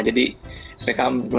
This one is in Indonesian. jadi beckham bisa berpengalaman